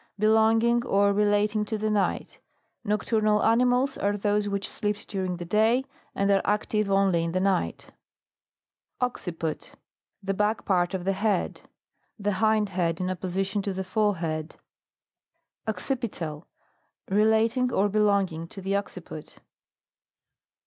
Belonging or relating to the night. Noctural animals are those which sleep during the day, and are active only in the night. OCCIPUT. The back part of the head. The hind head in opposition to the lore head. OCCIPITAL. Relating or belonging to the occiput.